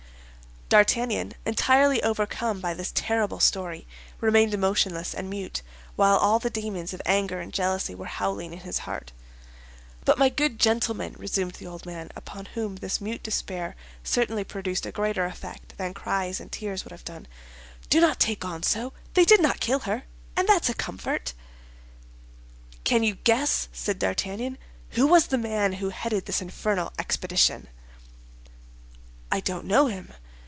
D'Artagnan, entirely overcome by this terrible story, remained motionless and mute, while all the demons of anger and jealousy were howling in his heart. "But, my good gentleman," resumed the old man, upon whom this mute despair certainly produced a greater effect than cries and tears would have done, "do not take on so; they did not kill her, and that's a comfort." "Can you guess," said D'Artagnan, "who was the man who headed this infernal expedition?" "I don't know him."